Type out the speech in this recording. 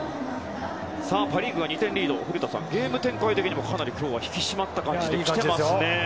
パ・リーグが２点リード古田さん、ゲーム展開はかなり今日は引き締まった感じできていますよ。